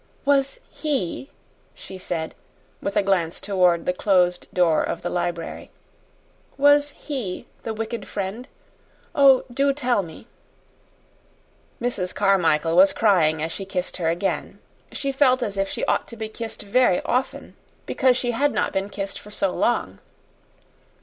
"Was he," she said, with a glance toward the closed door of the library "was HE the wicked friend? Oh, do tell me!" Mrs. Carmichael was crying as she kissed her again. She felt as if she ought to be kissed very often because she had not been kissed for so long.